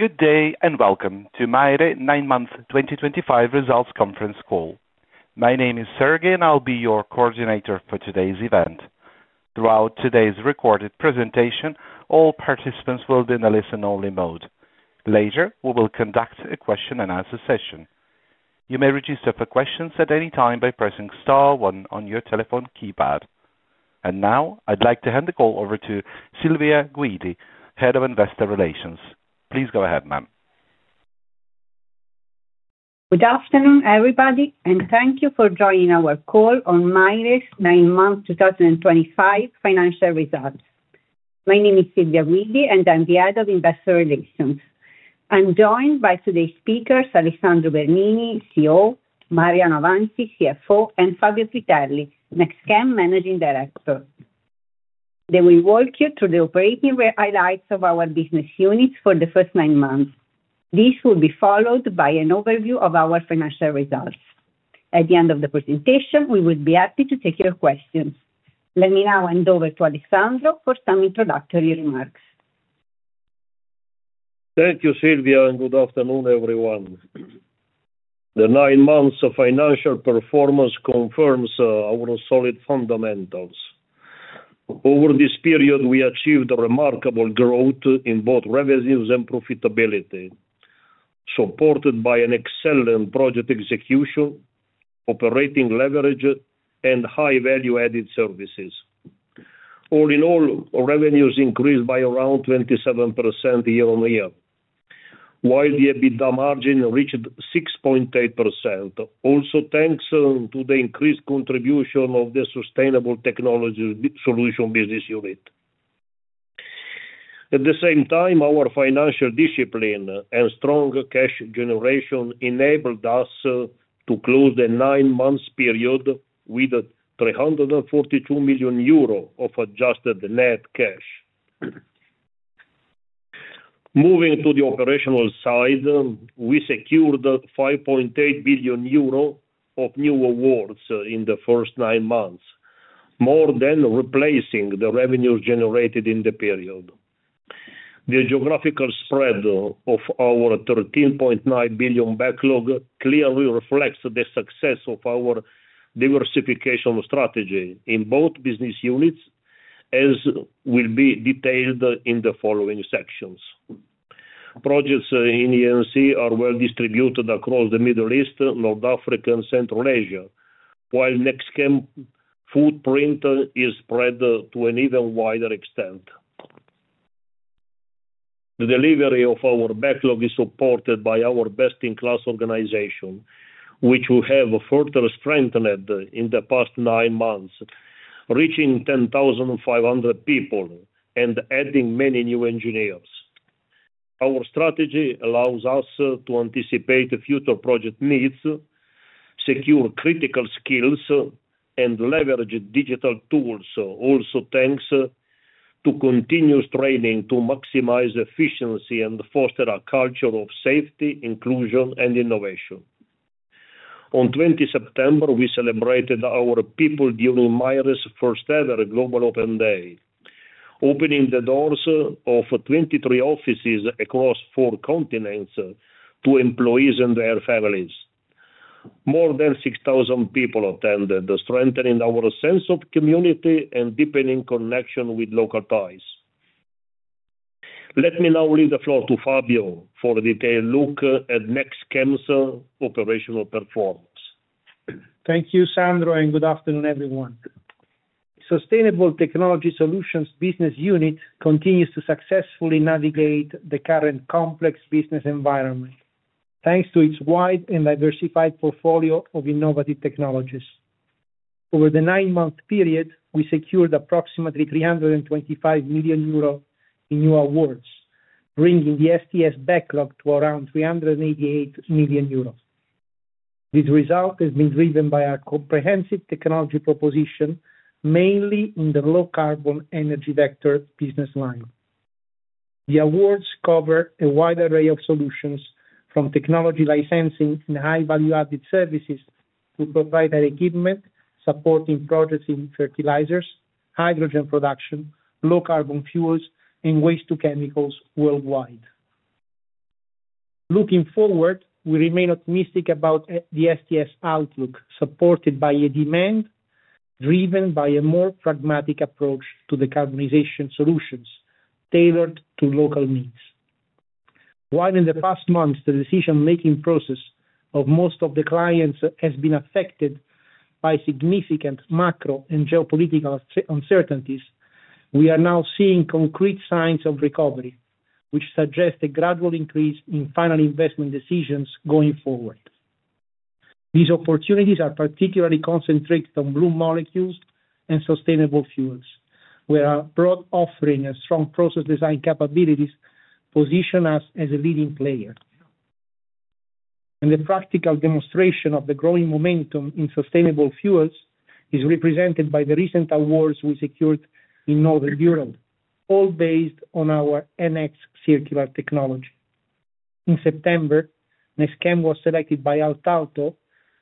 Good day and welcome to Maire 9 Month 2025 Results Conference call. My name is Sergey, and I'll be your coordinator for today's event. Throughout today's recorded presentation, all participants will be in a listen-only mode. Later, we will conduct a question and answer session. You may register for questions at any time by pressing *1 on your telephone keypad. Now, I'd like to hand the call over to Silvia Guidi, Head of Investor Relations. Please go ahead, ma'am. Good afternoon, everybody, and thank you for joining our call on Maire's 9 Month 2025 Financial Results. My name is Silvia Guidi, and I'm the Head of Investor Relations. I'm joined by today's speakers: Alessandro Bernini, CEO; Mariano Avanzi, CFO; and Fabio Fritelli, NextGen Managing Director. They will walk you through the operating highlights of our business units for the first nine months. This will be followed by an overview of our financial results. At the end of the presentation, we will be happy to take your questions. Let me now hand over to Alessandro for some introductory remarks. Thank you, Silvia, and good afternoon, everyone. The nine months of financial performance confirms our solid fundamentals. Over this period, we achieved a remarkable growth in both revenues and profitability, supported by an excellent project execution, operating leverage, and high value-added services. All in all, revenues increased by around 27% year-on-year, while the EBITDA margin reached 6.8%, also thanks to the increased contribution of the Sustainable Technology Solutions business unit. At the same time, our financial discipline and strong cash generation enabled us to close the nine-month period with €342 million of adjusted net cash. Moving to the operational side, we secured €5.8 billion of new awards in the first nine months, more than replacing the revenues generated in the period. The geographical spread of our €13.9 billion backlog clearly reflects the success of our diversification strategy in both business units, as will be detailed in the following sections. Projects in EMC are well distributed across the Middle East, North Africa, and Central Asia, while NextGen footprint is spread to an even wider extent. The delivery of our backlog is supported by our best-in-class organization, which we have further strengthened in the past nine months, reaching 10,500 people and adding many new engineers. Our strategy allows us to anticipate future project needs, secure critical skills, and leverage digital tools, also thanks to continuous training to maximize efficiency and foster a culture of safety, inclusion, and innovation. On 20 September, we celebrated our people during Maire's first-ever Global Open Day, opening the doors of 23 offices across four continents to employees and their families. More than 6,000 people attended, strengthening our sense of community and deepening connection with local ties. Let me now leave the floor to Fabio for a detailed look at NextGen's operational performance. Thank you, Sandro, and good afternoon, everyone. Sustainable Technology Solutions business unit continues to successfully navigate the current complex business environment, thanks to its wide and diversified portfolio of innovative technologies. Over the nine-month period, we secured approximately €325 million in new awards, bringing the STS backlog to around €388 million. This result has been driven by our comprehensive technology proposition, mainly in the low-carbon energy vector business line. The awards cover a wide array of solutions, from technology licensing and high value-added services to proprietary equipment supporting projects in fertilizers, hydrogen production, low-carbon fuels, and waste-to-chemicals worldwide. Looking forward, we remain optimistic about the STS outlook, supported by a demand driven by a more pragmatic approach to decarbonization solutions tailored to local needs. While in the past months, the decision-making process of most of the clients has been affected by significant macro and geopolitical uncertainties, we are now seeing concrete signs of recovery, which suggest a gradual increase in final investment decisions going forward. These opportunities are particularly concentrated on blue molecules and sustainable fuels, where our broad offering and strong process design capabilities position us as a leading player. The practical demonstration of the growing momentum in sustainable fuels is represented by the recent awards we secured in Northern Europe, all based on our NX Circular technology. In September, NextGen was selected by Altauto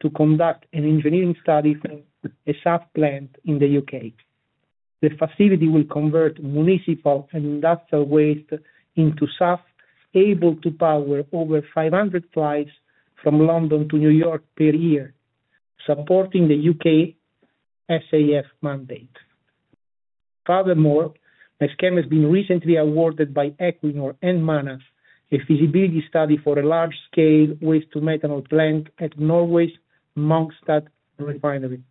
to conduct an engineering study for a SAF plant in the UK. The facility will convert municipal and industrial waste into SAF, able to power over 500 flights from London to New York per year, supporting the UK SAF mandate. Furthermore, NextGen has been recently awarded by Equinor and Manaf a feasibility study for a large-scale waste-to-methanol plant at Norway's Mongstad refinery.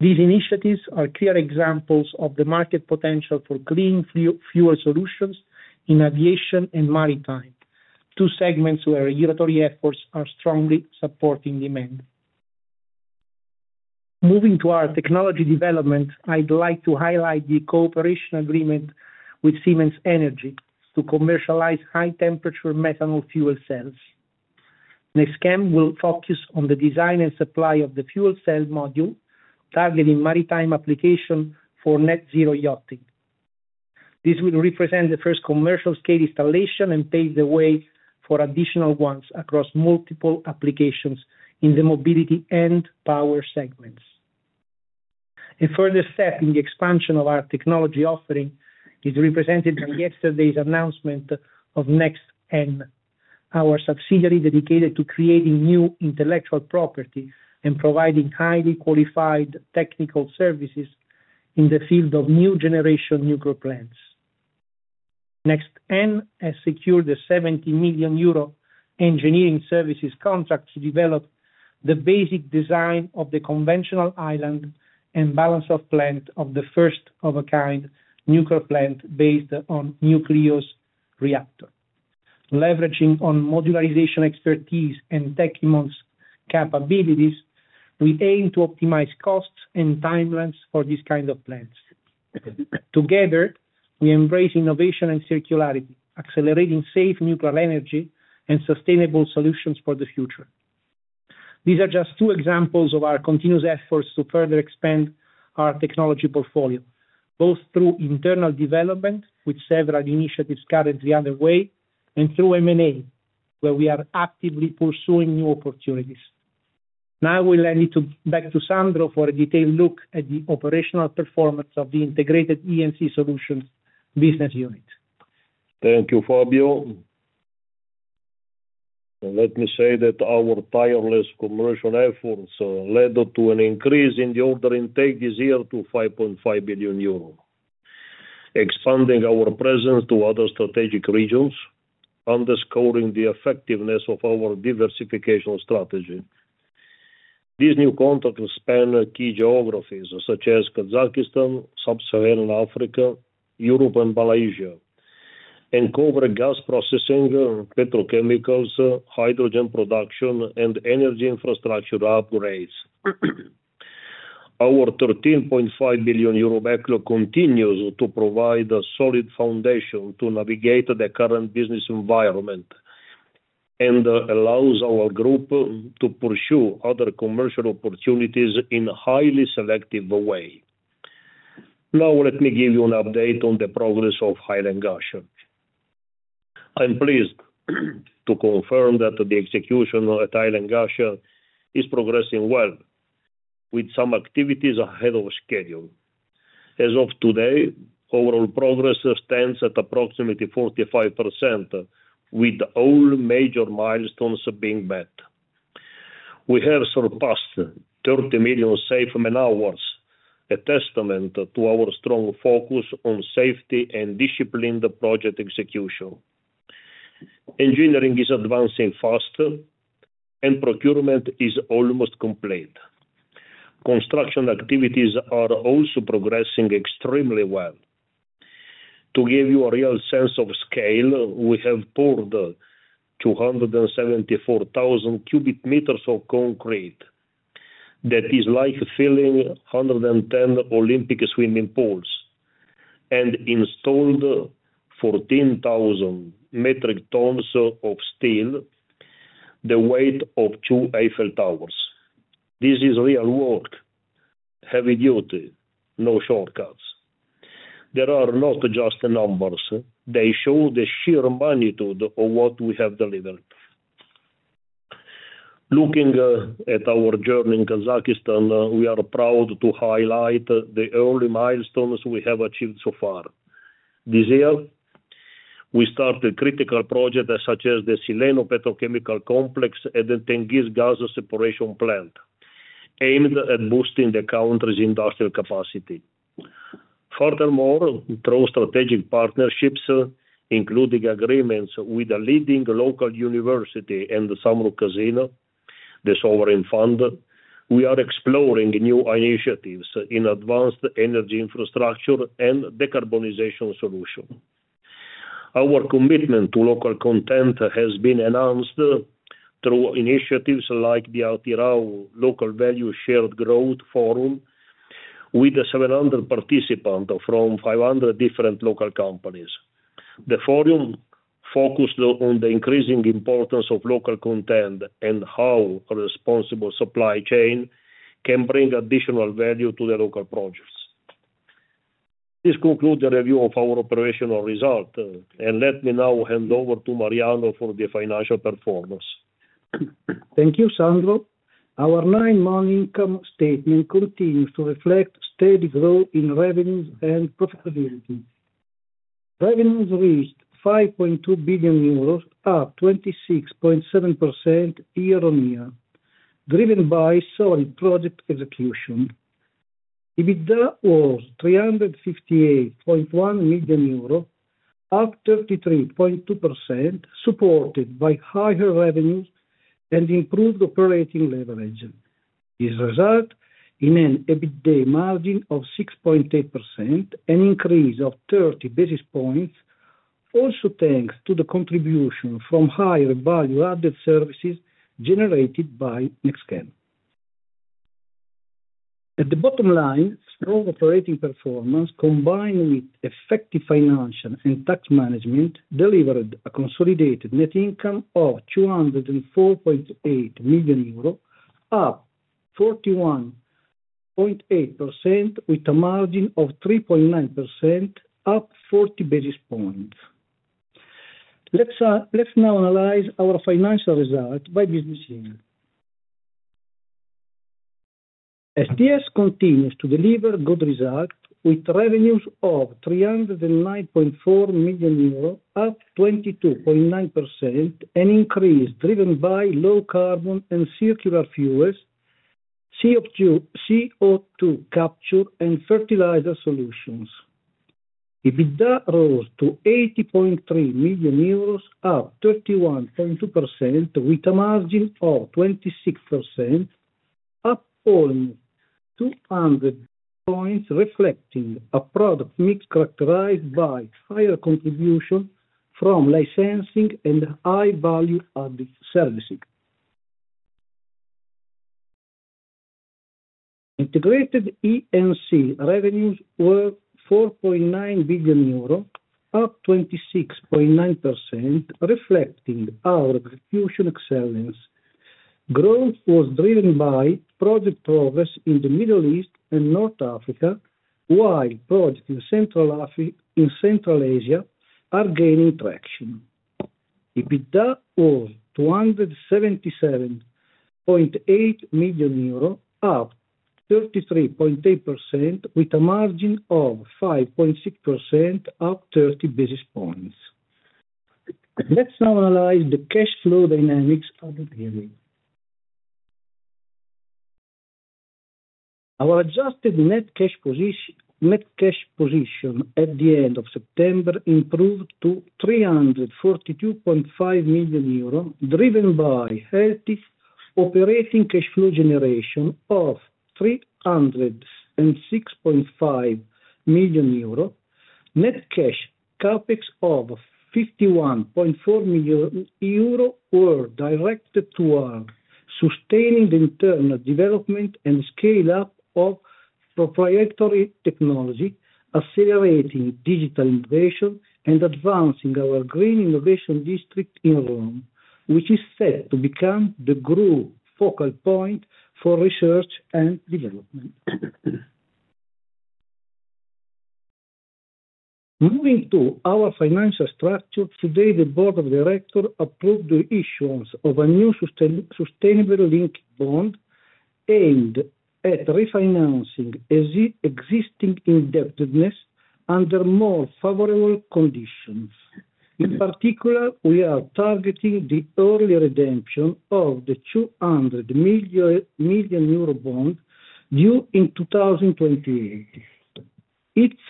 These initiatives are clear examples of the market potential for clean fuel solutions in aviation and maritime, two segments where regulatory efforts are strongly supporting demand. Moving to our technology development, I'd like to highlight the cooperation agreement with Siemens Energy to commercialize high-temperature methanol fuel cells. NextGen will focus on the design and supply of the fuel cell module, targeting maritime application for net-zero yachting. This will represent the first commercial scale installation and pave the way for additional ones across multiple applications in the mobility and power segments. A further step in the expansion of our technology offering is represented by yesterday's announcement of NextN, our subsidiary dedicated to creating new intellectual property and providing highly qualified technical services in the field of new-generation nuclear plants. NextN has secured a €70 million engineering services contract to develop the basic design of the conventional island and balance-of-plant of the first-of-a-kind nuclear plant based on nucleus reactor. Leveraging on modularization expertise and Tecnimont's capabilities, we aim to optimize costs and timelines for this kind of plants. Together, we embrace innovation and circularity, accelerating safe nuclear energy and sustainable solutions for the future. These are just two examples of our continuous efforts to further expand our technology portfolio, both through internal development, with several initiatives currently underway, and through M&A activity, where we are actively pursuing new opportunities. Now, we'll hand it back to Sandro for a detailed look at the operational performance of the integrated EMC Solutions business unit. Thank you, Fabio. Let me say that our tireless commercial efforts led to an increase in the order intake this year to €5.5 billion, expanding our presence to other strategic regions, underscoring the effectiveness of our diversification strategy. This new contract will span key geographies such as Kazakhstan, Sub-Saharan Africa, Europe, and Malaysia, and cover gas processing, petrochemicals, hydrogen production, and energy infrastructure upgrades. Our €13.5 billion backlog continues to provide a solid foundation to navigate the current business environment and allows our group to pursue other commercial opportunities in a highly selective way. Now, let me give you an update on the progress of Highland Gas Shell. I'm pleased to confirm that the execution at Highland Gas Shell is progressing well, with some activities ahead of schedule. As of today, overall progress stands at approximately 45%, with all major milestones being met. We have surpassed 30 million safe man hours, a testament to our strong focus on safety and disciplined project execution. Engineering is advancing faster, and procurement is almost complete. Construction activities are also progressing extremely well. To give you a real sense of scale, we have poured 274,000 cubic meters of concrete, that is like filling 110 Olympic swimming pools, and installed 14,000 metric tons of steel, the weight of two Eiffel Towers. This is real work, heavy duty, no shortcuts. These are not just numbers; they show the sheer magnitude of what we have delivered. Looking at our journey in Kazakhstan, we are proud to highlight the early milestones we have achieved so far. This year, we started critical projects such as the Sileno Petrochemical Complex and the Tengiz Gas Separation Plant, aimed at boosting the country's industrial capacity. Furthermore, through strategic partnerships, including agreements with a leading local university and the Samru Kazina, the sovereign fund, we are exploring new initiatives in advanced energy infrastructure and decarbonization solutions. Our commitment to local content has been announced through initiatives like the ALTIRAU Local Value Shared Growth Forum, with 700 participants from 500 different local companies. The forum focused on the increasing importance of local content and how a responsible supply chain can bring additional value to the local projects. This concludes the review of our operational result, and let me now hand over to Mariano for the financial performance. Thank you, Sandro. Our nine-month income statement continues to reflect steady growth in revenues and profitability. Revenues reached €5.2 billion, up 26.7% year-on-year, driven by solid project execution. EBITDA was €358.1 million, up 33.2%, supported by higher revenues and improved operating leverage. This resulted in an EBITDA margin of 6.8%, an increase of 30 basis points, also thanks to the contribution from higher value-added services generated by NextGen. At the bottom line, strong operating performance combined with effective financial and tax management delivered a consolidated net income of €204.8 million, up 41.8%, with a margin of 3.9%, up 40 basis points. Let's now analyze our financial results by business unit. Sustainable Technology Solutions continues to deliver good results with revenues of €309.4 million, up 22.9%, an increase driven by low-carbon and circular fuels, CO2 capture, and fertilizer solutions. EBITDA rose to €80.3 million, up 31.2%, with a margin of 26%, up only 200 basis points, reflecting a product mix characterized by higher contribution from licensing and high value-added services. Integrated Engineering and Procurement Contracts revenues were €4.9 billion, up 26.9%, reflecting our execution excellence. Growth was driven by project progress in the Middle East and North Africa, while projects in Central Asia are gaining traction. EBITDA was €277.8 million, up 33.8%, with a margin of 5.6%, up 30 basis points. Let's now analyze the cash flow dynamics at the daily. Our adjusted net cash position at the end of September improved to €342.5 million, driven by healthy operating cash flow generation of €306.5 million. Net cash CapEx of €51.4 million was directed toward sustaining the internal development and scale-up of proprietary technology, accelerating digital innovation, and advancing our Green Innovation District in Rome, which is set to become the growth focal point for research and development. Moving to our financial structure, today, the Board of Directors approved the issuance of a new Sustainability Linked Bond aimed at refinancing existing indebtedness under more favorable conditions. In particular, we are targeting the early redemption of the €200 million bond due in 2028. Its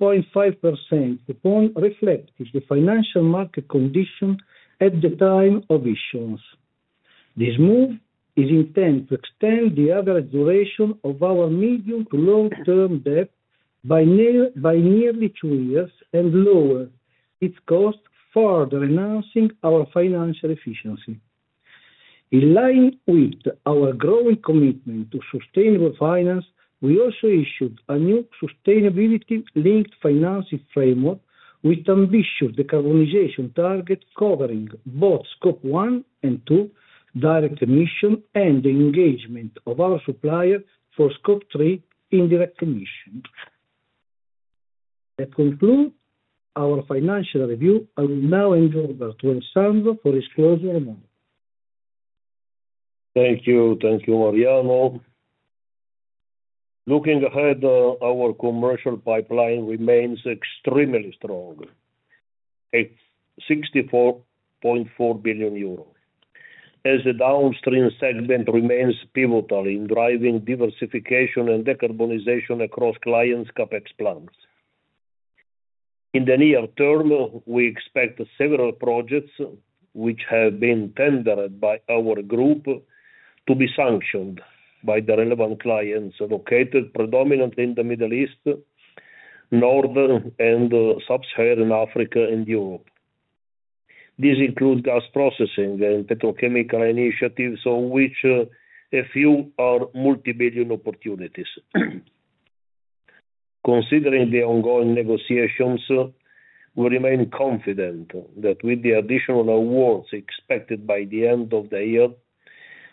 6.5% coupon reflects the financial market condition at the time of issuance. This move is intended to extend the average duration of our medium to long-term debt by nearly two years and lower its cost, further enhancing our financial efficiency. In line with our growing commitment to sustainable finance, we also issued a new Sustainability Linked Financing Framework with ambitious decarbonization targets covering both Scope 1 and 2 direct emissions and the engagement of our suppliers for Scope 3 indirect emissions. That concludes our financial review. I will now hand over to Alessandro for his closing remarks. Thank you. Thank you, Mariano. Looking ahead, our commercial pipeline remains extremely strong at €64.4 billion, as the downstream segment remains pivotal in driving diversification and decarbonization across clients' CapEx plans. In the near term, we expect several projects which have been tendered by our group to be sanctioned by the relevant clients located predominantly in the Middle East, North Africa, Sub-Saharan Africa, and Europe. These include gas processing and petrochemical initiatives, of which a few are multibillion opportunities. Considering the ongoing negotiations, we remain confident that with the additional awards expected by the end of the year,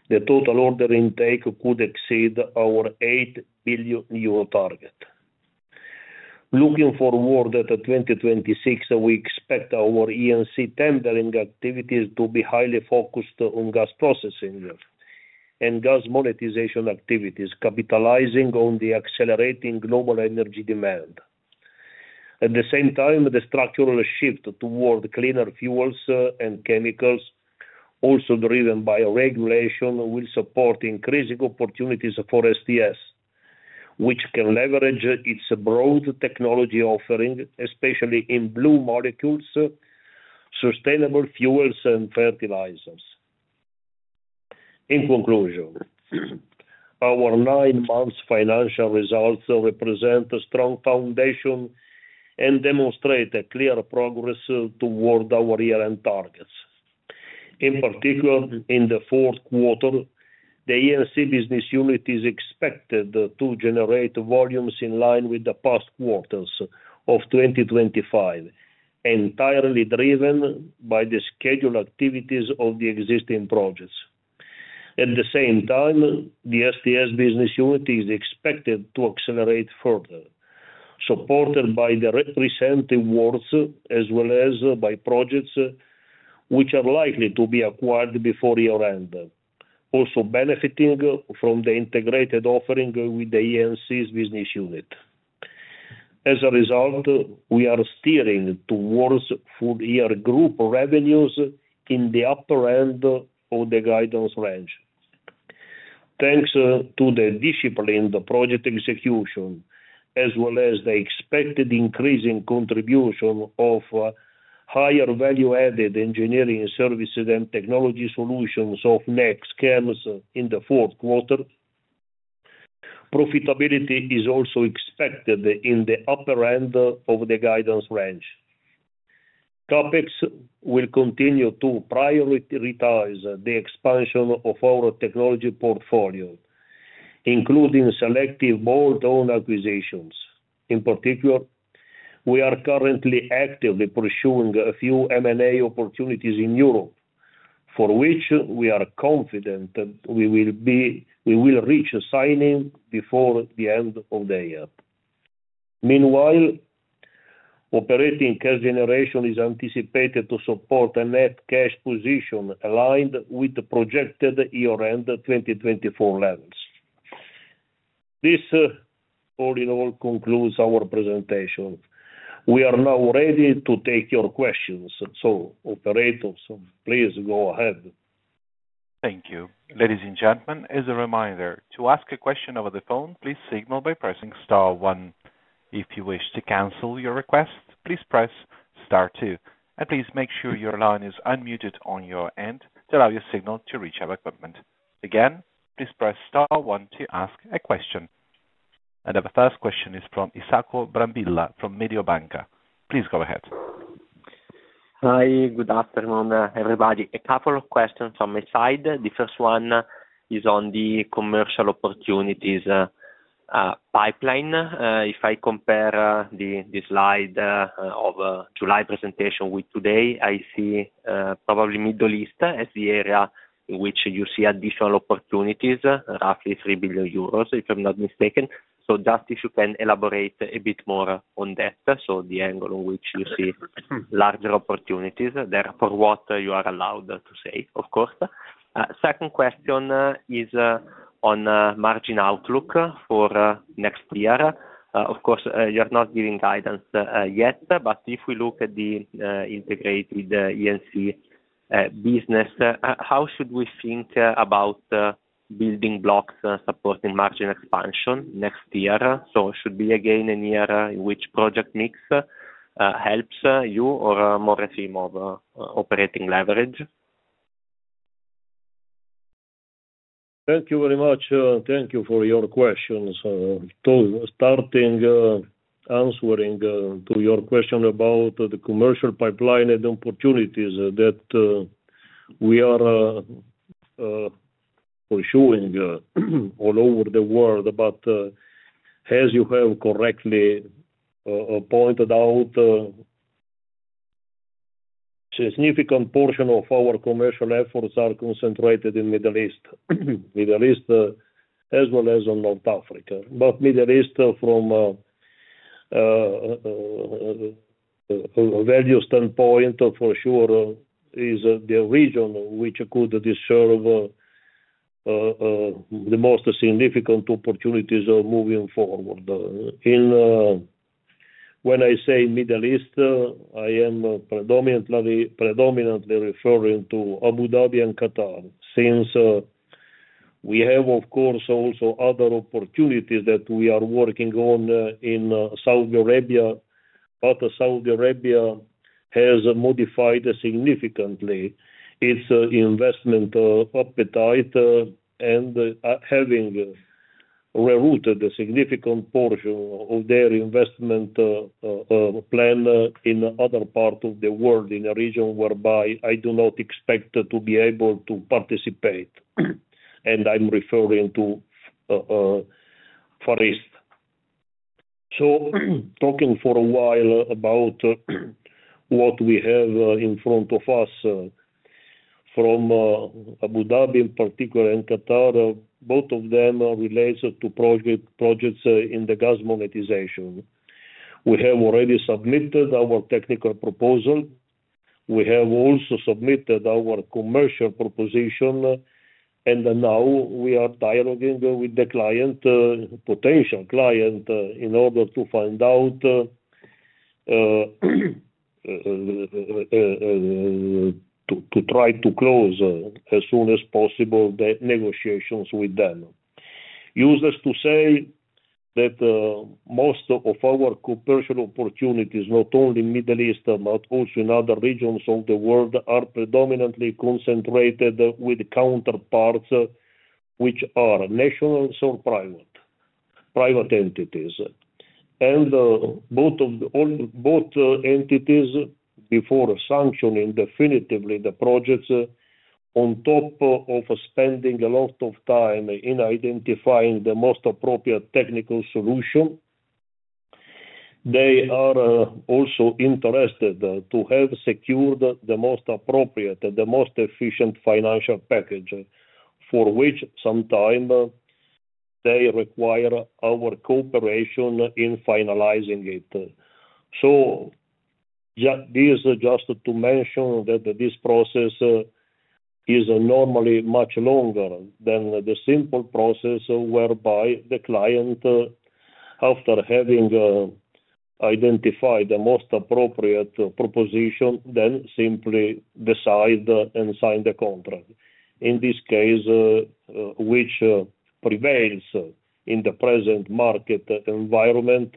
the total order intake could exceed our €8 billion target. Looking forward to 2026, we expect our EMC tendering activities to be highly focused on gas processing and gas monetization activities, capitalizing on the accelerating global energy demand. At the same time, the structural shift toward cleaner fuels and chemicals, also driven by regulation, will support increasing opportunities for STS, which can leverage its broad technology offering, especially in blue molecules, sustainable fuels, and fertilizers. In conclusion, our nine-month financial results represent a strong foundation and demonstrate clear progress toward our year-end targets. In particular, in the fourth quarter, the EMC business unit is expected to generate volumes in line with the past quarters of 2025, entirely driven by the scheduled activities of the existing projects. At the same time, the STS business unit is expected to accelerate further, supported by the representative awards as well as by projects which are likely to be acquired before year-end, also benefiting from the integrated offering with the EMC business unit. As a result, we are steering towards full-year group revenues in the upper end of the guidance range, thanks to the disciplined project execution as well as the expected increasing contribution of higher value-added engineering services and technology solutions of NextGen in the fourth quarter. Profitability is also expected in the upper end of the guidance range. CapEx will continue to prioritize the expansion of our technology portfolio, including selective bolt-on acquisitions. In particular, we are currently actively pursuing a few M&A opportunities in Europe, for which we are confident that we will reach a signing before the end of the year. Meanwhile, operating cash generation is anticipated to support a net cash position aligned with the projected year-end 2024 levels. This all in all concludes our presentation. We are now ready to take your questions, so operators, please go ahead. Thank you. Ladies and gentlemen, as a reminder, to ask a question over the phone, please signal by pressing *1. If you wish to cancel your request, please press *2. Please make sure your line is unmuted on your end to allow your signal to reach our equipment. Again, please press *1 to ask a question. Our first question is from Isako Brambilla from Mediobanca. Please go ahead. Hi. Good afternoon, everybody. A couple of questions on my side. The first one is on the commercial opportunities pipeline. If I compare the slide of July presentation with today, I see probably the Middle East as the area in which you see additional opportunities, roughly €3 billion, if I'm not mistaken. If you can elaborate a bit more on that, the angle in which you see larger opportunities there for what you are allowed to say, of course. The second question is on the margin outlook for next year. Of course, you are not giving guidance yet, but if we look at the integrated EMC business, how should we think about building blocks supporting margin expansion next year? Should we again in a year in which project mix helps you or more a theme of operating leverage? Thank you very much. Thank you for your questions. Starting answering to your question about the commercial pipeline and opportunities that we are pursuing all over the world, as you have correctly pointed out, a significant portion of our commercial efforts are concentrated in the Middle East, as well as in North Africa. The Middle East, from a value standpoint, for sure, is the region which could deserve the most significant opportunities moving forward. When I say Middle East, I am predominantly referring to Abu Dhabi and Qatar, since we have, of course, also other opportunities that we are working on in Saudi Arabia. Saudi Arabia has modified significantly its investment appetite and has rerouted a significant portion of their investment plan in other parts of the world, in a region whereby I do not expect to be able to participate. I'm referring to Far East. Talking for a while about what we have in front of us from Abu Dhabi, in particular, and Qatar, both of them relate to projects in the gas monetization. We have already submitted our technical proposal. We have also submitted our commercial proposition. Now we are dialoguing with the client, a potential client, in order to find out to try to close as soon as possible the negotiations with them. Useless to say that most of our commercial opportunities, not only in the Middle East but also in other regions of the world, are predominantly concentrated with counterparts which are national or private entities. Both entities, before sanctioning definitively the projects, on top of spending a lot of time in identifying the most appropriate technical solution, are also interested to have secured the most appropriate and the most efficient financial package, for which sometimes they require our cooperation in finalizing it. This is just to mention that this process is normally much longer than the simple process whereby the client, after having identified the most appropriate proposition, then simply decides and signs the contract. In this case, which prevails in the present market environment,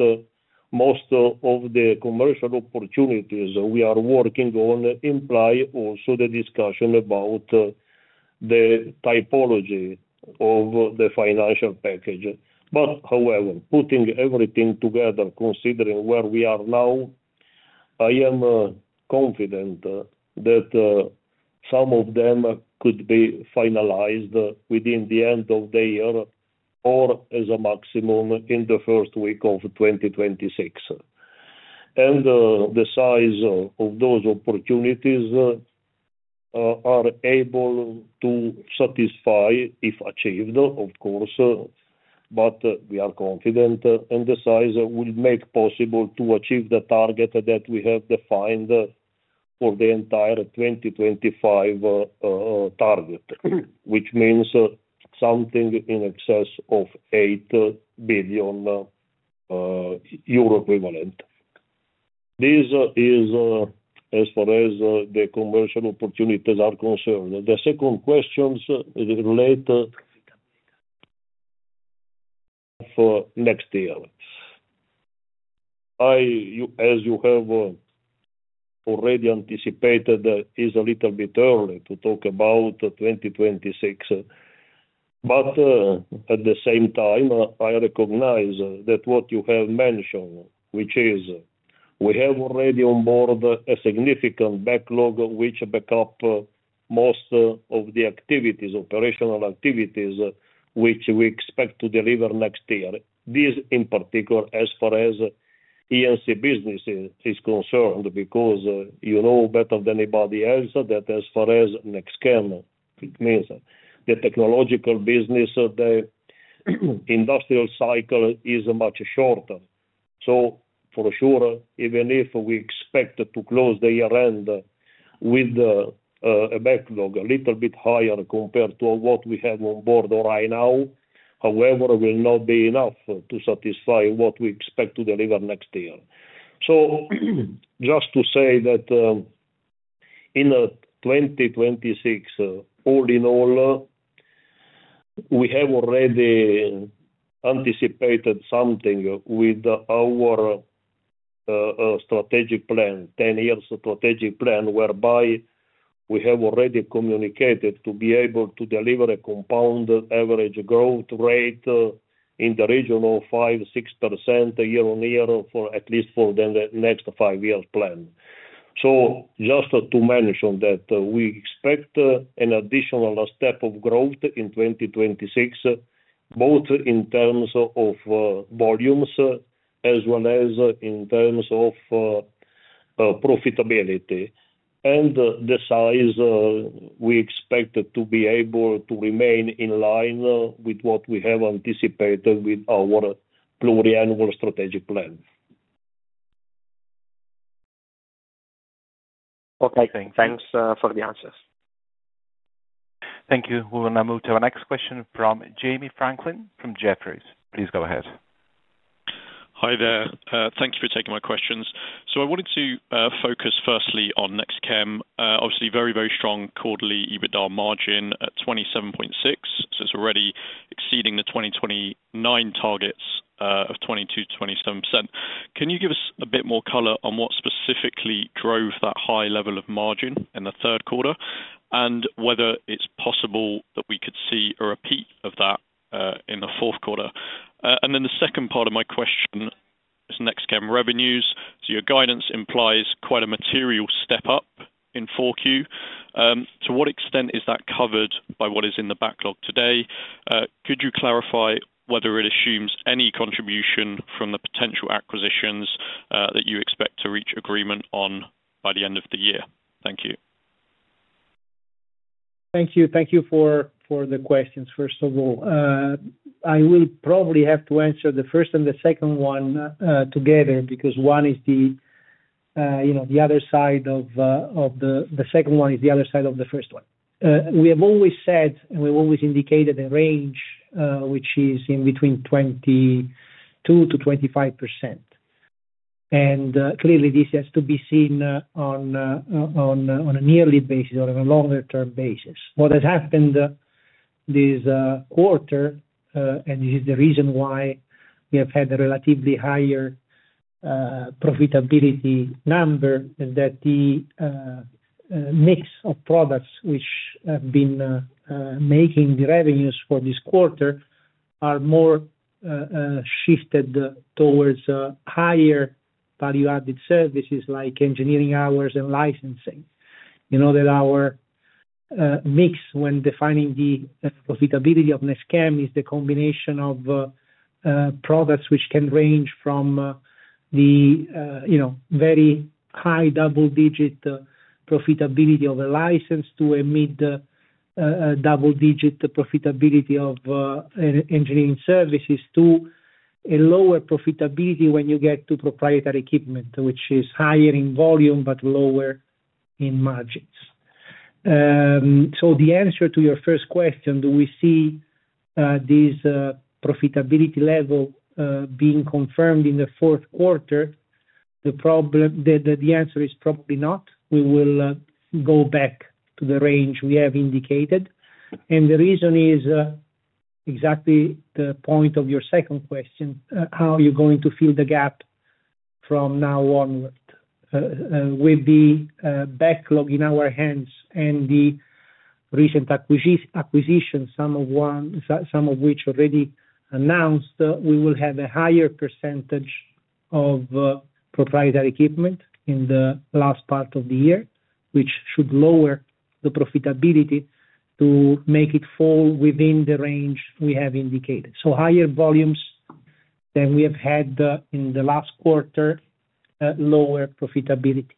most of the commercial opportunities we are working on imply also the discussion about the typology of the financial package. However, putting everything together, considering where we are now, I am confident that some of them could be finalized within the end of the year or, as a maximum, in the first week of 2026. The size of those opportunities is able to satisfy, if achieved, of course, but we are confident, and the size will make it possible to achieve the target that we have defined for the entire 2025 target, which means something in excess of €8 billion equivalent. This is as far as the commercial opportunities are concerned. The second question relates to next year. As you have already anticipated, it is a little bit early to talk about 2026. At the same time, I recognize that what you have mentioned, which is we have already on board a significant backlog which backs up most of the operational activities which we expect to deliver next year. This, in particular, as far as EMC business is concerned, because you know better than anybody else that as far as NextGen, it means the technological business, the industrial cycle is much shorter. For sure, even if we expect to close the year-end with a backlog a little bit higher compared to what we have on board right now, however, it will not be enough to satisfy what we expect to deliver next year. Just to say that in 2026, all in all, we have already anticipated something with our strategic plan, a 10-year strategic plan, whereby we have already communicated to be able to deliver a compound average growth rate in the region of 5%, 6% year-on-year for at least the next five-year plan. Just to mention that we expect an additional step of growth in 2026, both in terms of volumes as well as in terms of profitability. The size we expect to be able to remain in line with what we have anticipated with our pluriannual strategic plan. Okay, thanks for the answers. Thank you. We will now move to our next question from Jamie Franklin from Jefferies. Please go ahead. Hi there. Thank you for taking my questions. I wanted to focus firstly on NextGen. Obviously, very, very strong quarterly EBITDA margin at 27.6%, so it's already exceeding the 2029 targets of 22% to 27%. Can you give us a bit more color on what specifically drove that high level of margin in the third quarter and whether it's possible that we could see a repeat of that in the fourth quarter? The second part of my question is NextGen revenues. Your guidance implies quite a material step up in 4Q. To what extent is that covered by what is in the backlog today? Could you clarify whether it assumes any contribution from the potential acquisitions that you expect to reach agreement on by the end of the year? Thank you. Thank you. Thank you for the questions, first of all. I will probably have to answer the first and the second one together because one is the other side of the second one is the other side of the first one. We have always said and we've always indicated a range which is in between 22% to 25%. Clearly, this has to be seen on a yearly basis or on a longer-term basis. What has happened this quarter, and this is the reason why we have had a relatively higher profitability number, is that the mix of products which have been making the revenues for this quarter are more shifted towards higher value-added services like engineering hours and licensing. You know that our mix when defining the profitability of NextGen is the combination of products which can range from the very high double-digit profitability of a license to a mid-double-digit profitability of engineering services to a lower profitability when you get to proprietary equipment, which is higher in volume but lower in margins. The answer to your first question, do we see this profitability level being confirmed in the fourth quarter? The problem that the answer is probably not. We will go back to the range we have indicated. The reason is exactly the point of your second question, how are you going to fill the gap from now onward? With the backlog in our hands and the recent acquisitions, some of which are already announced, we will have a higher percentage of proprietary equipment in the last part of the year, which should lower the profitability to make it fall within the range we have indicated. Higher volumes than we have had in the last quarter, lower profitability.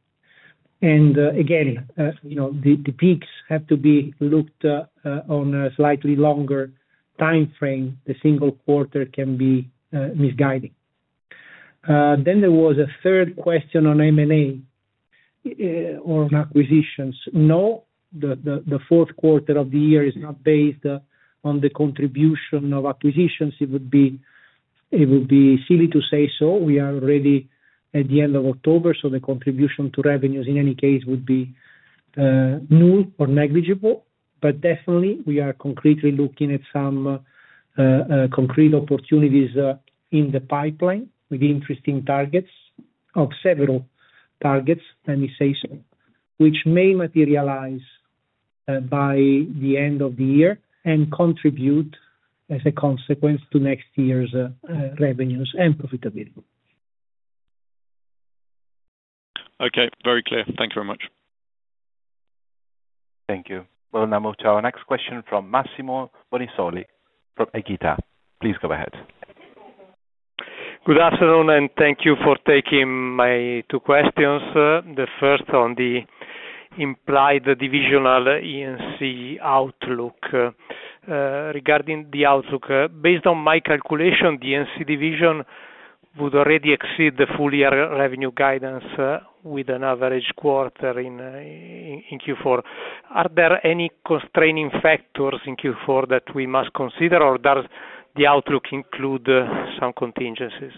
Again, you know the peaks have to be looked on a slightly longer time frame. The single quarter can be misguiding. There was a third question on M&A or on acquisitions. No, the fourth quarter of the year is not based on the contribution of acquisitions. It would be silly to say so. We are already at the end of October, so the contribution to revenues in any case would be null or negligible. Definitely, we are concretely looking at some concrete opportunities in the pipeline with interesting targets of several targets, let me say so, which may materialize by the end of the year and contribute as a consequence to next year's revenues and profitability. Okay. Very clear. Thank you very much. Thank you. We will now move to our next question from Massimo Bonisoli from Egita. Please go ahead. Good afternoon, and thank you for taking my two questions. The first on the implied divisional EMC outlook. Regarding the outlook, based on my calculation, the EMC division would already exceed the full-year revenue guidance with an average quarter in Q4. Are there any constraining factors in Q4 that we must consider, or does the outlook include some contingencies?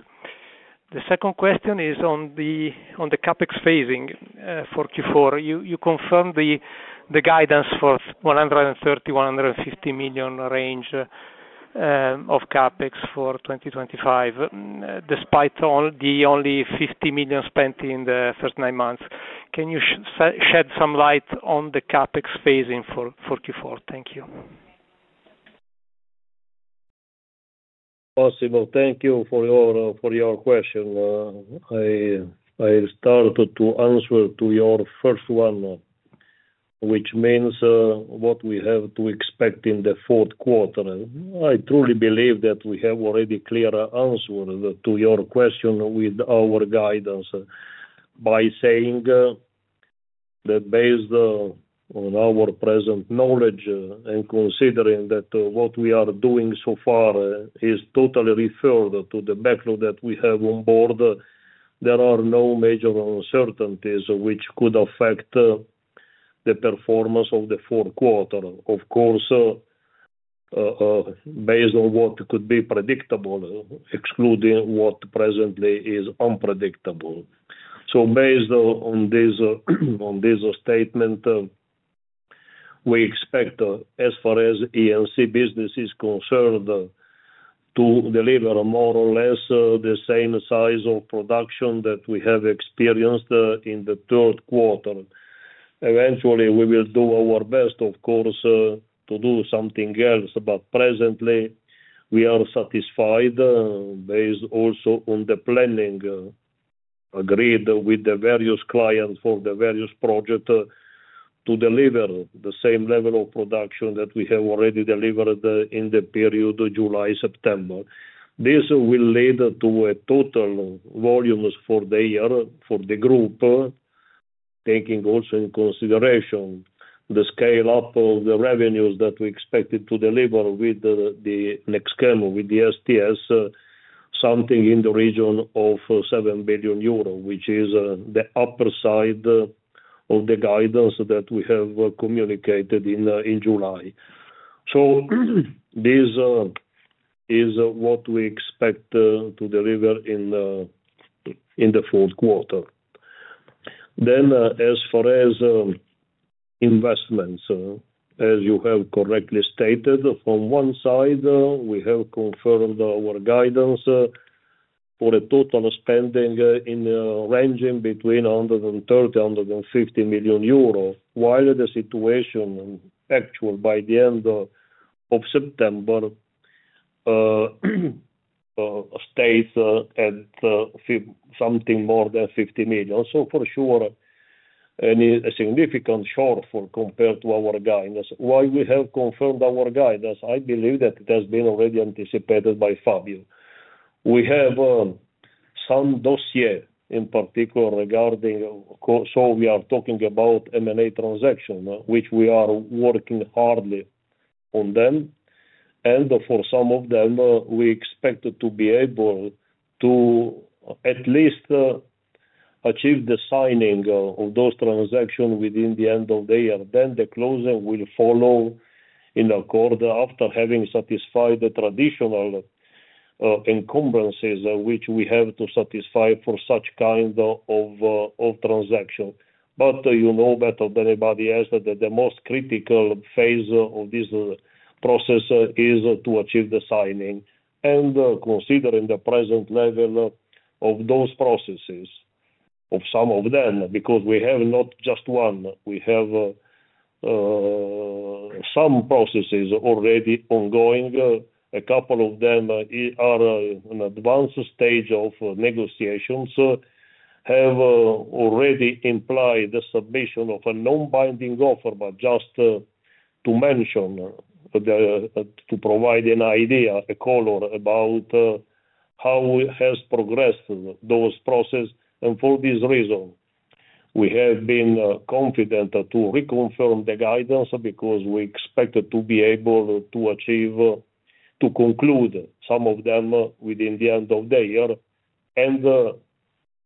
The second question is on the CapEx phasing for Q4. You confirmed the guidance for $130 to $150 million range of CapEx for 2025, despite only $50 million spent in the first nine months. Can you shed some light on the CapEx phasing for Q4? Thank you. Possible. Thank you for your question. I'll start to answer to your first one, which means what we have to expect in the fourth quarter. I truly believe that we have already clear answer to your question with our guidance by saying that based on our present knowledge and considering that what we are doing so far is totally referred to the backlog that we have on board, there are no major uncertainties which could affect the performance of the fourth quarter. Of course, based on what could be predictable, excluding what presently is unpredictable. Based on this statement, we expect, as far as EMC business is concerned, to deliver more or less the same size of production that we have experienced in the third quarter. Eventually, we will do our best, of course, to do something else. Presently, we are satisfied based also on the planning agreed with the various clients for the various projects to deliver the same level of production that we have already delivered in the period of July and September. This will lead to total volumes for the year for the group, taking also in consideration the scale-up of the revenues that we expected to deliver with the NextGen, with the STS, something in the region of €7 billion, which is the upper side of the guidance that we have communicated in July. This is what we expect to deliver in the fourth quarter. As far as investments, as you have correctly stated, from one side, we have confirmed our guidance for a total spending in a range between €130 to €150 million, while the situation actually by the end of September stays at something more than €50 million. For sure, a significant shortfall compared to our guidance. Why we have confirmed our guidance, I believe that it has been already anticipated by Fabio. We have some dossiers in particular regarding, so we are talking about M&A transactions, which we are working hardly on them. For some of them, we expect to be able to at least achieve the signing of those transactions within the end of the year. The closing will follow in a quarter after having satisfied the traditional encumbrances which we have to satisfy for such kind of transaction. You know better than anybody else that the most critical phase of this process is to achieve the signing. Considering the present level of those processes, of some of them, because we have not just one, we have some processes already ongoing. A couple of them are in an advanced stage of negotiations, have already implied the submission of a non-binding offer. Just to mention, to provide an idea, a color about how it has progressed those processes. For this reason, we have been confident to reconfirm the guidance because we expect to be able to achieve, to conclude some of them within the end of the year.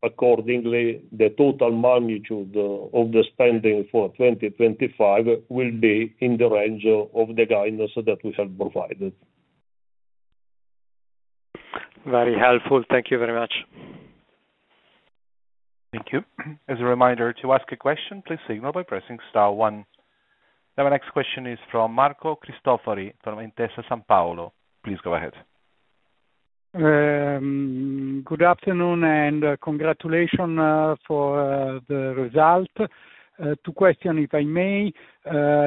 Accordingly, the total magnitude of the spending for 2025 will be in the range of the guidance that we have provided. Very helpful. Thank you very much. Thank you. As a reminder, to ask a question, please signal by pressing *1. My next question is from Marco Cristofori from Intesa Sanpaolo. Please go ahead. Good afternoon and congratulations for the result. Two questions, if I may.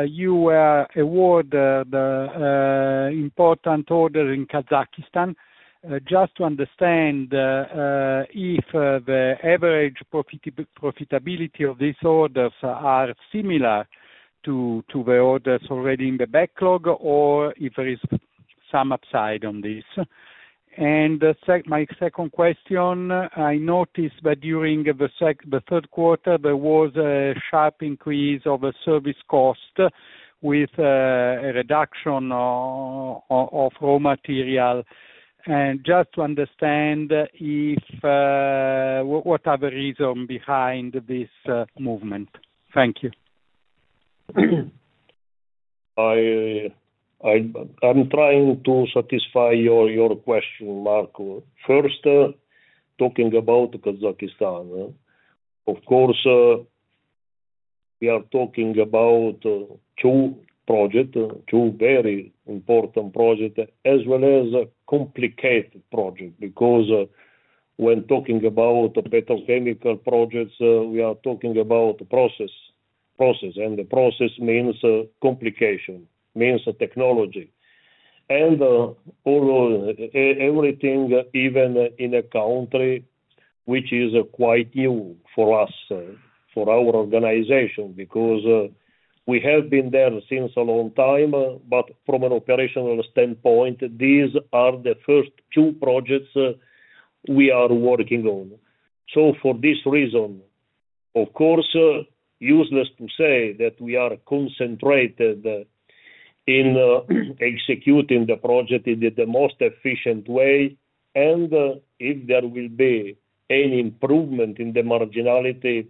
You awarded an important order in Kazakhstan. Just to understand if the average profitability of these orders is similar to the orders already in the backlog or if there is some upside on this. My second question, I noticed that during the third quarter, there was a sharp increase of service cost with a reduction of raw material. Just to understand if whatever reason behind this movement. Thank you. I'm trying to satisfy your question, Marco. First, talking about Kazakhstan. Of course, we are talking about two projects, two very important projects, as well as a complicated project because when talking about petrochemical projects, we are talking about process. Process and the process means complication, means technology. Everything, even in a country which is quite new for us, for our organization, because we have been there since a long time. From an operational standpoint, these are the first two projects we are working on. For this reason, of course, useless to say that we are concentrated in executing the project in the most efficient way. If there will be any improvement in the marginality,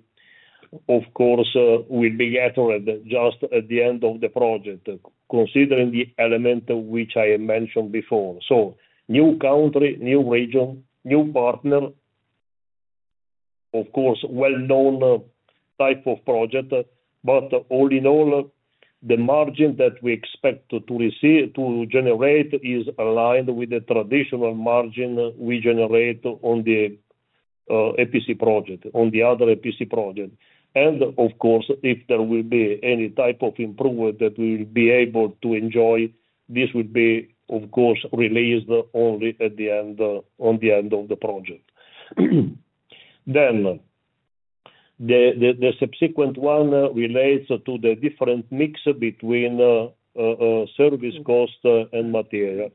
of course, we'll be gathered just at the end of the project, considering the element which I mentioned before. New country, new region, new partner, of course, a well-known type of project. All in all, the margin that we expect to generate is aligned with the traditional margin we generate on the EPC project, on the other EPC project. If there will be any type of improvement that we will be able to enjoy, this will be, of course, released only at the end of the project. The subsequent one relates to the different mix between service cost and material.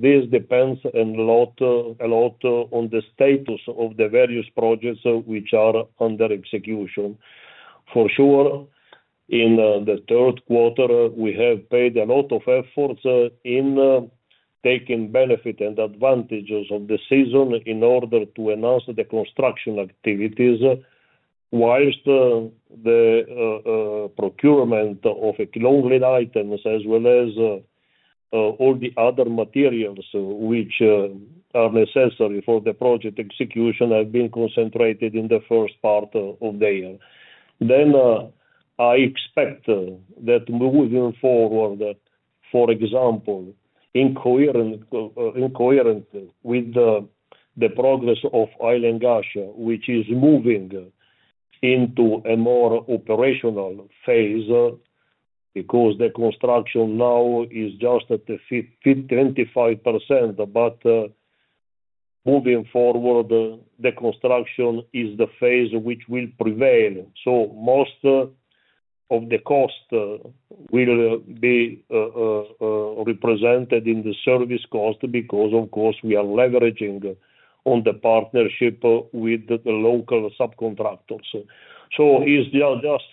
This depends a lot on the status of the various projects which are under execution. For sure, in the third quarter, we have paid a lot of efforts in taking benefits and advantages of the season in order to enhance the construction activities, whilst the procurement of clothing items, as well as all the other materials which are necessary for the project execution, have been concentrated in the first part of the year. I expect that moving forward, for example, in coherence with the progress of ILN Gasia, which is moving into a more operational phase because the construction now is just at the 25%. Moving forward, the construction is the phase which will prevail. Most of the costs will be represented in the service cost because, of course, we are leveraging on the partnership with the local subcontractors. It's just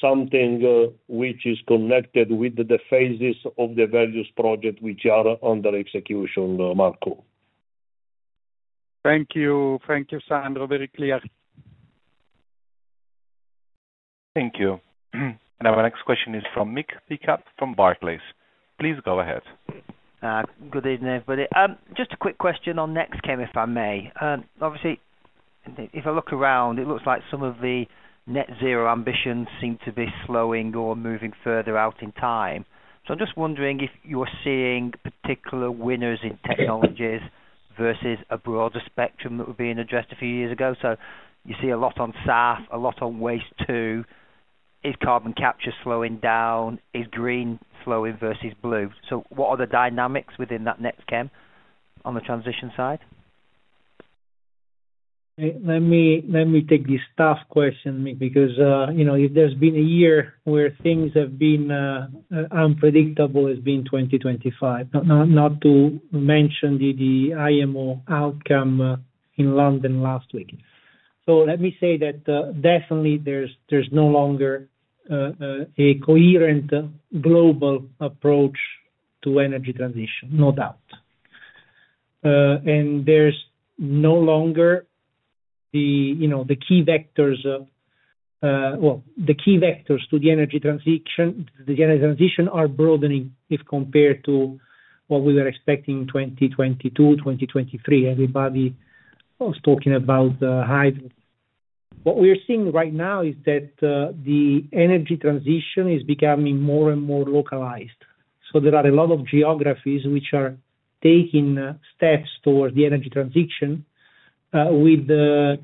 something which is connected with the phases of the various projects which are under execution, Marco. Thank you. Thank you, Sandro. Very clear. Thank you. Our next question is from Mick Peacock from Barclays. Please go ahead. Good evening, everybody. Just a quick question on NextGen, if I may. Obviously, if I look around, it looks like some of the net-zero ambitions seem to be slowing or moving further out in time. I'm just wondering if you're seeing particular winners in technologies versus a broader spectrum that were being addressed a few years ago. You see a lot on SAF, a lot on waste-to. Is carbon capture slowing down? Is green slowing versus blue? What are the dynamics within that NextGen on the transition side? Let me take this tough question, Mick, because you know there's been a year where things have been unpredictable, has been 2025. Not to mention the IMO outcome in London last week. Let me say that definitely, there's no longer a coherent global approach to energy transition, no doubt. There's no longer the key vectors. The key vectors to the energy transition are broadening if compared to what we were expecting in 2022 and 2023. Everybody was talking about hybrid. What we are seeing right now is that the energy transition is becoming more and more localized. There are a lot of geographies which are taking steps towards the energy transition with the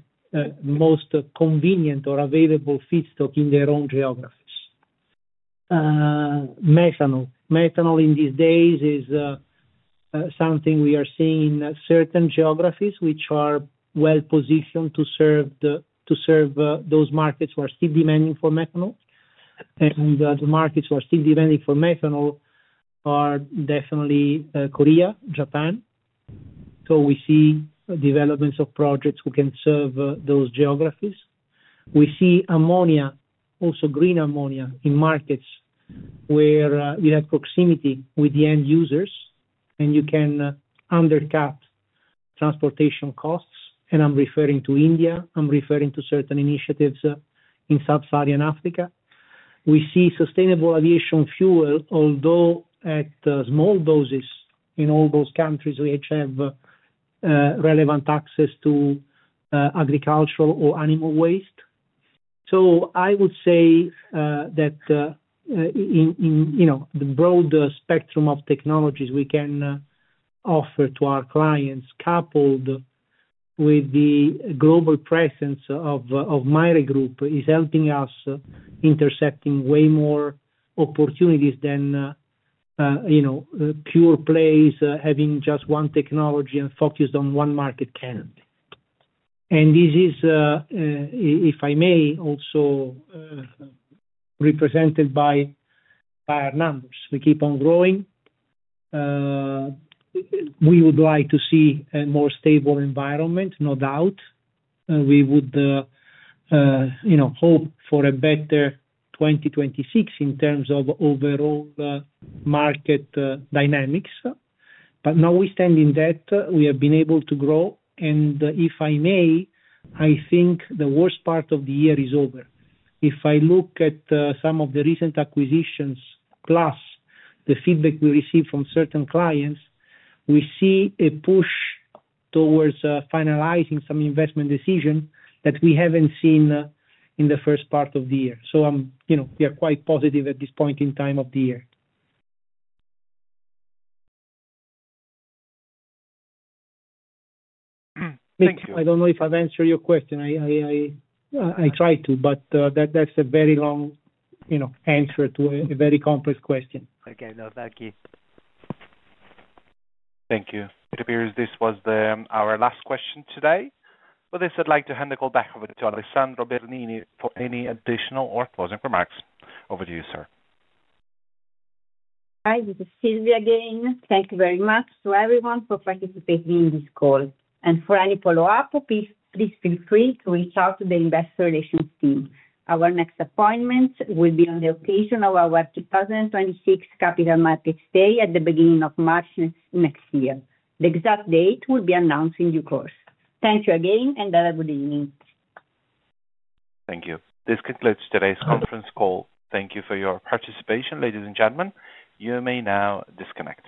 most convenient or available feedstock in their own geographies. Methanol. Methanol in these days is something we are seeing in certain geographies which are well positioned to serve those markets who are still demanding for methanol. The markets who are still demanding for methanol are definitely Korea, Japan. We see developments of projects who can serve those geographies. We see ammonia, also green ammonia, in markets where we have proximity with the end users and you can undercut transportation costs. I'm referring to India. I'm referring to certain initiatives in Sub-Saharan Africa. We see sustainable aviation fuel, although at small doses in all those countries which have relevant access to agricultural or animal waste. I would say that in the broad spectrum of technologies we can offer to our clients, coupled with the global presence of Maire Group, is helping us intercepting way more opportunities than pure plays having just one technology and focused on one market candidate. This is, if I may, also represented by our numbers. We keep on growing. We would like to see a more stable environment, no doubt. We would hope for a better 2026 in terms of overall market dynamics. Now we stand in debt. We have been able to grow. If I may, I think the worst part of the year is over. If I look at some of the recent acquisitions plus the feedback we receive from certain clients, we see a push towards finalizing some investment decisions that we haven't seen in the first part of the year. We are quite positive at this point in time of the year. I don't know if I've answered your question. I tried to, but that's a very long answer to a very complex question. Okay. No, thank you. Thank you. It appears this was our last question today. With this, I'd like to hand the call back over to Alessandro Bernini for any additional or closing remarks. Over to you, sir. Hi. This is Silvia again. Thank you very much to everyone for participating in this call. For any follow-up, please feel free to reach out to the investor relations team. Our next appointment will be on the occasion of our 2026 Capital Markets Day at the beginning of March next year. The exact date will be announced in due course. Thank you again and have a good evening. Thank you. This concludes today's conference call. Thank you for your participation, ladies and gentlemen. You may now disconnect.